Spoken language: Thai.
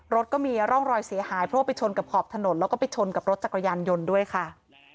รถก็มีร่องรอยเสียหายเพราะว่าไปชนกับขอบถนนแล้วก็ไปชนกับรถจักรยานยนต์ด้วยค่ะ